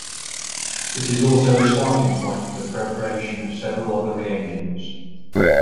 It is also the starting point for the preparation of several other reagents.